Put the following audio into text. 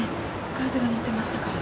ガーゼが乗ってましたから。